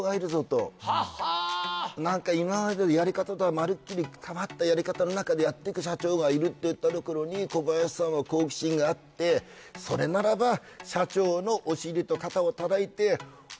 今までのやり方とはまるっきり変わったやり方の中でやっていく社長がいるといったところに小林さんは好奇心があってそれならばうーわっ！